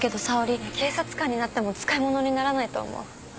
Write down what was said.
警察官になっても使い物にならないと思う。